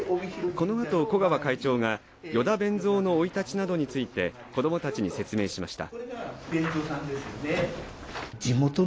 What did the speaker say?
このあと古川会長が依田勉三の生い立ちなどについて子どもたちに説明しました。